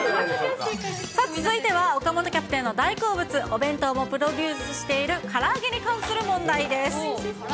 さあ、続いては岡本キャプテンの大好物、お弁当をプロデュースしているから揚げに関する問題です。